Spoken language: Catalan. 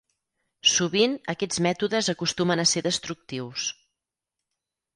Sovint aquests mètodes acostumen a ser destructius.